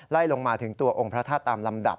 ลงมาถึงตัวองค์พระธาตุตามลำดับ